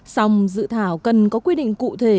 xong dự thảo cần có quy định cụ thể